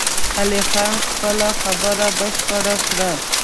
علي خان خپله خبره بشپړه کړه!